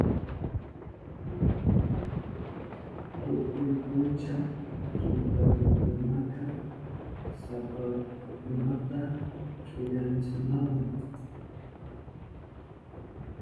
Tukuy puncha suntalukunaka sapatukunata chuyanchanahun.